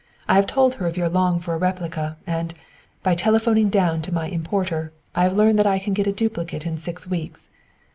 I have told her of your longing for a replica, and, by telephoning down to my importer, I have learned that I can get a duplicate in six weeks.